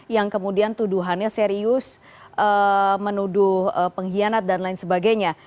yang kemudian tuduhannya serius menuduh pengkhianat dan lain sebagainya